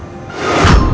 aku ada di sini